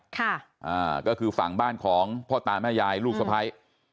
ค่ะอ่าก็คือฝั่งบ้านของพ่อตาแม่ยายลูกสะพ้าย